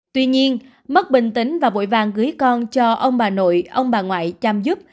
tuy nhiên mất bình tĩnh và vội vàng gửi con cho ông bà nội ông bà ngoại chăm giúp